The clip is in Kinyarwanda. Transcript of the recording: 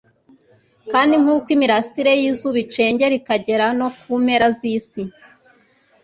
Kandi nk'uko imirasire y'izuba icengera ikagera no ku mpera z'isi,